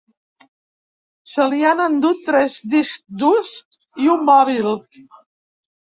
Se li han endut tres discs durs i un mòbil.